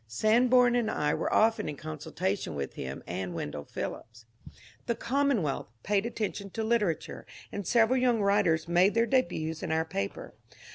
Sanborn and I were often in consultation with him and Wendell Phillips. The *^ Commonwealth " paid attention to literature, and several young writers made their debuts in our paper.